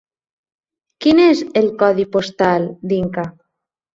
Quin és el codi postal d'Inca?